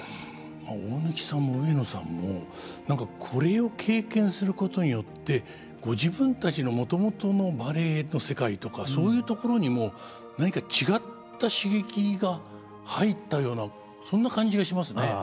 大貫さんも上野さんも何かこれを経験することによってご自分たちのもともとのバレエの世界とかそういうところにも何か違った刺激が入ったようなそんな感じがしますね。